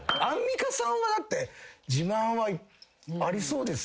アンミカさんはだって自慢はありそう。